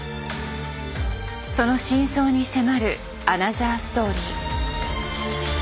その真相に迫るアナザーストーリー。